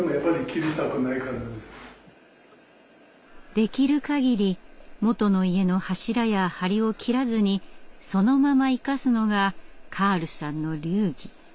できるかぎり元の家の柱や梁を切らずにそのまま生かすのがカールさんの流儀。